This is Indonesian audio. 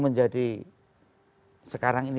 menjadi sekarang ini